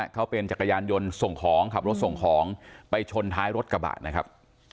เขาเป็นจักรยานยนต์ส่งของขับรถส่งของไปชนท้ายรถกระบะนะครับ